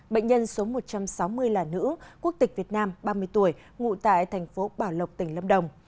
bệnh nhân số một trăm sáu mươi là nữ quốc tịch việt nam ba mươi tuổi ngụ tại thành phố bảo lộc tỉnh lâm đồng